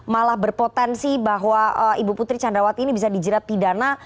malah berpotensi bahwa ibu putri candrawati ini bisa dijerat pidana